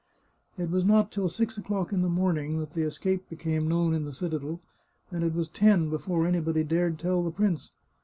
It was not till six o'clock in the morning that the escape became known in the citadel, and it was ten before anybody dared tell the prince.